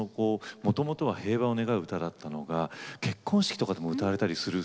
もともとは平和を願う歌だったのが結婚式とかでも歌われたりするそうなんですよね。